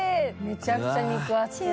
めちゃくちゃ肉厚。